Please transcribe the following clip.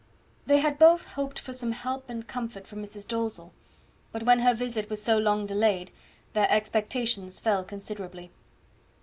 They had both hoped for some help and comfort from Mrs. Dalzell; but when her visit was so long delayed, their expectations fell considerably.